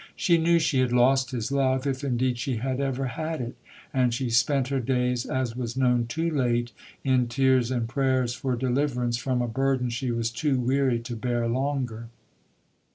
She knew she had lost his love, if, indeed, she had ever had it; and she spent her days, as was known too late, in tears and prayers for deliverance from a burden she was too weary to bear longer.